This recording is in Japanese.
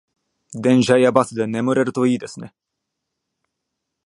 電車やバスで眠れるといいですね